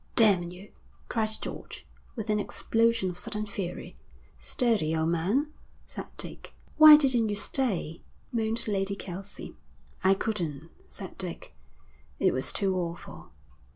'Damn you!' cried George, with an explosion of sudden fury. 'Steady, old man,' said Dick. 'Why didn't you stay?' moaned Lady Kelsey. 'I couldn't,' said Dick. 'It was too awful.'